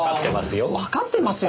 わかってますよ。